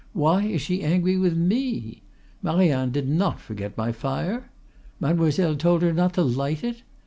Why is she angry with me? Marianne did not forget my fire! Mademoiselle told her not to light it!